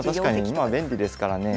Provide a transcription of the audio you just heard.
今は便利ですからねえ。